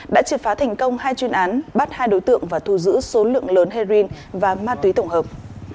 đã triệt phá thành công hai chuyên án bắt hai đối tượng và thu giữ số lượng lớn heroin và ma túy tổng hợp